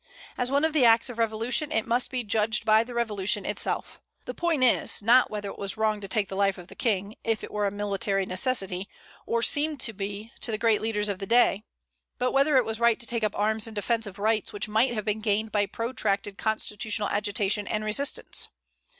As one of the acts of revolution, it must be judged by the revolution itself. The point is, not whether it was wrong to take the life of the King, if it were a military necessity, or seemed to be to the great leaders of the day, but whether it was right to take up arms in defence of rights which might have been gained by protracted constitutional agitation and resistance.